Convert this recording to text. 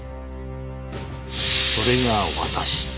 それが私。